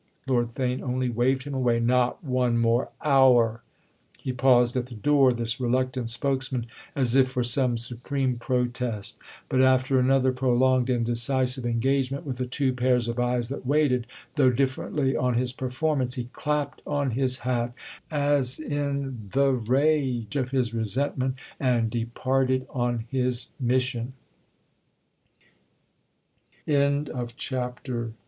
Lord Theign only waved him away. "Not one more hour!" He paused at the door, this reluctant spokesman, as if for some supreme protest; but after another prolonged and decisive engagement with the two pairs of eyes that waited, though differently, on his performance, he clapped on his hat as in the rage of his resentment and departed on his m